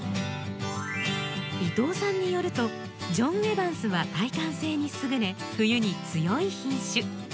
伊藤さんによるとジョン・エバンスは耐寒性に優れ冬に強い品種。